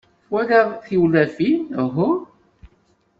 Twalaḍ tiwlafin, uhu?